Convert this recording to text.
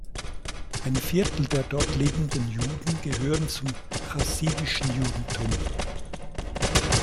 Ein Viertel der dort lebenden Juden gehören zum chassidischen Judentum.